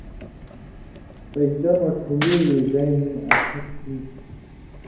سجدہ مہ ٹھُن٘گُریۡ رِزَیں ہِن اڅھک ہُوئ تھُو۔